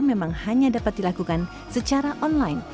memang hanya dapat dilakukan secara online